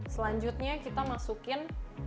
selanjutnya kita masukkan